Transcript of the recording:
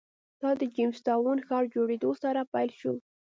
دا د جېمز ټاون ښار جوړېدو سره پیل شو.